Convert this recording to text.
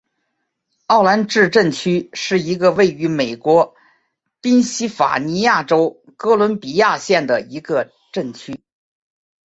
奥兰治镇区是一个位于美国宾夕法尼亚州哥伦比亚县的一个镇区。